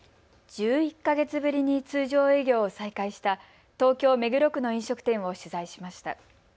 １１か月ぶりに通常営業を再開した東京目黒区の飲食店を取材しました。